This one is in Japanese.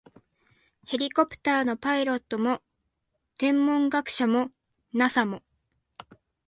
ヘリコプターのパイロットも、天文学者も、ＮＡＳＡ も、